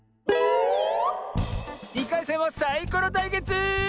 ２かいせんはサイコロたいけつ！